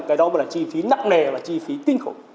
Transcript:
cái đó là chi phí nặng nề và chi phí tinh khủng